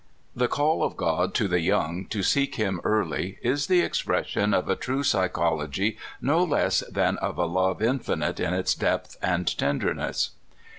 The call of God to the young to seek him early is the expression of a true psy chology no less than of a love infinite in its depth and tenderness.